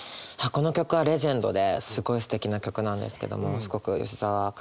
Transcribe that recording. この曲はレジェンドですごいすてきな曲なんですけどもすごく吉澤嘉代子さん